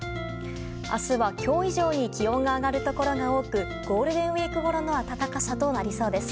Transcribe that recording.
明日は今日以上に気温の上がるところが多くゴールデンウィークごろの暖かさとなりそうです。